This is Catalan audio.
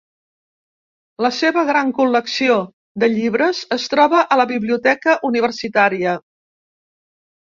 La seva gran col·lecció de llibres es troba a la biblioteca universitària.